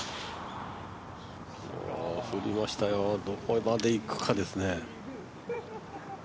どこまで行くかですね